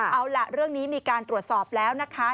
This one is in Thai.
เอาล่ะเรื่องนี้มีการตรวจสอบแล้วนะคะ